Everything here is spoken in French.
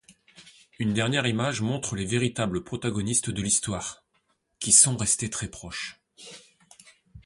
Une dernière image montre les véritables protagonistes de l'histoire, qui sont restés très proches.